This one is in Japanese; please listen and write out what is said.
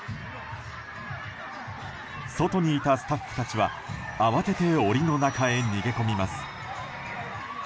外にいたスタッフたちは慌てて檻の中へ逃げ込みます。